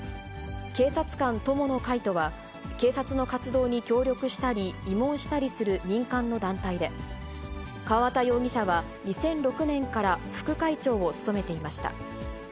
警察官友の会とは、警察の活動に協力したり、慰問したりする民間の団体で、川又容疑者は２００６年から副会長を務めていました。